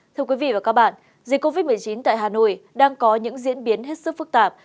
thưa quý vị và các bạn dịch covid một mươi chín tại hà nội đang có những diễn biến hết sức phức tạp